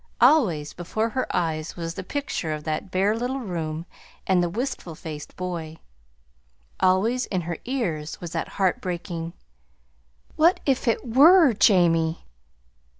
Always before her eyes was the picture of that bare little room and the wistful faced boy. Always in her ears was that heartbreaking "What if it WERE Jamie?"